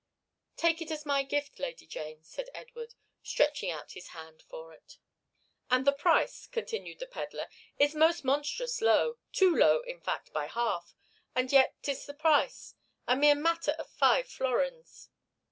"Take it as my gift, Lady Jane," said Edward, stretching out his hand for it. "And the price," continued the pedler, "is most monstrous low, too low in fact by half, and yet 'tis the price. A mere matter of five florins."